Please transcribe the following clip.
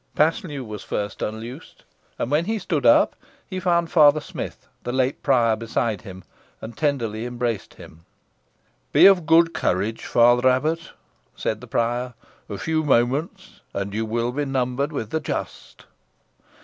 Paslew was first unloosed, and when he stood up, he found Father Smith, the late prior, beside him, and tenderly embraced him. "Be of good courage, Father Abbot," said the prior; "a few moments, and you will be numbered with the just."